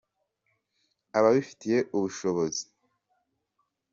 babifitiye ubushobozi.